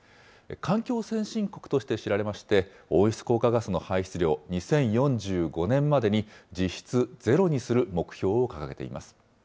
環境先進国として知られていまして、温室効果ガスの排出量を２０４５年までに実質ゼロにする目標を掲げています。